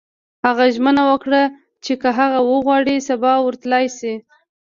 هغه ژمنه وکړه چې که هغه وغواړي سبا ورتلای شي